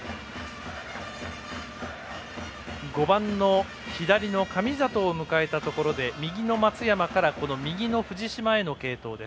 ５番の左の神里を迎えたところで右の松山から右の藤嶋への継投。